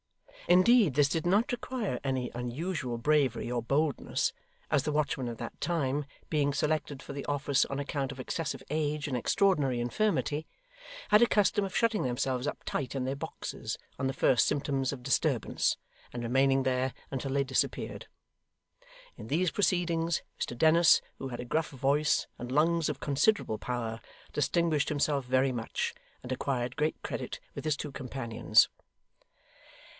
Indeed this did not require any unusual bravery or boldness, as the watchmen of that time, being selected for the office on account of excessive age and extraordinary infirmity, had a custom of shutting themselves up tight in their boxes on the first symptoms of disturbance, and remaining there until they disappeared. In these proceedings, Mr Dennis, who had a gruff voice and lungs of considerable power, distinguished himself very much, and acquired great credit with his two companions.